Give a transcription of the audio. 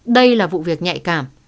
đây là vụ việc nhạy cảm